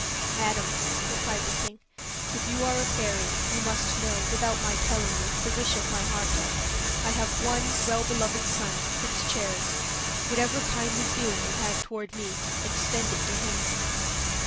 "Madam," replied the king, "if you are a fairy, you must know, without my telling you, the wish of my heart. I have one well beloved son, Prince Cherry: whatever kindly feeling you have toward me, extend it to him."